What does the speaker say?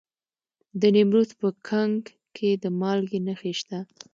د نیمروز په کنگ کې د مالګې نښې شته.